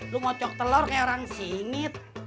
lo mau cok telor kayak orang singit